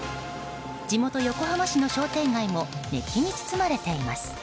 地元・横浜市の商店街も熱気に包まれています。